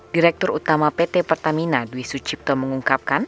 direktur utama pt pertamina dwi sucipto mengungkapkan